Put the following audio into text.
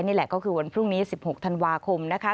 นี่แหละก็คือวันพรุ่งนี้๑๖ธันวาคมนะคะ